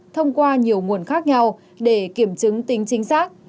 thông qua nhiều nguồn khác nhau để kiểm chứng tính chính xác